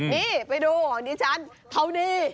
นี่ไปดูของดิฉันเท่านี้